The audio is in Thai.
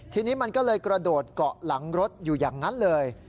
ทีนี้มันก็เลยกระโดดเกาะหลังรถอยู่อย่างนั้นเลย